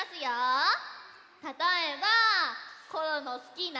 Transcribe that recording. たとえばコロのすきな。